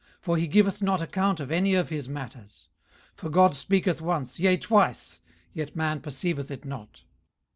for he giveth not account of any of his matters. 18:033:014 For God speaketh once, yea twice, yet man perceiveth it not.